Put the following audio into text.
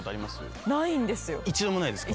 一度もないですか？